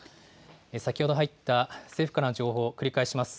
先ほど入った政府からの情報を繰り返します。